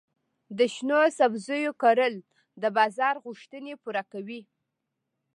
د شنو سبزیو کرل د بازار غوښتنې پوره کوي.